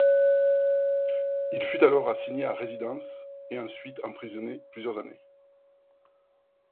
Il fut alors assigné à résidence, et ensuite emprisonné plusieurs années.